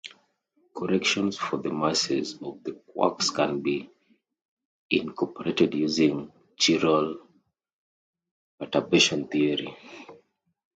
Corrections for the masses of the quarks can be incorporated using chiral perturbation theory.